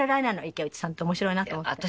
池内さんって面白いなと思って。